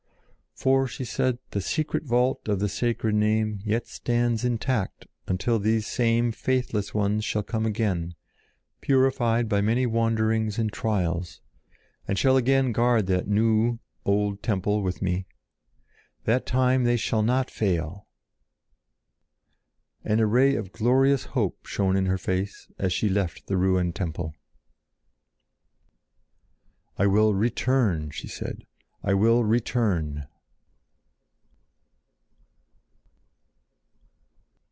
"For," she said, "the secret vault of the sacred name yet stands intact until these same faithless ones shall come again, purified by many wanderings and trials, and shall again guard that new old temple with me. That time they shall not fail!" And a ray of glorious hope shone in her face as she left the ruined temple. "I will return!" she said. "I will return!"